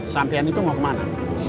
sampean itu mau ke mana